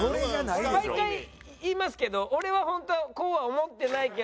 毎回言いますけど俺はホントはこうは思ってないけど。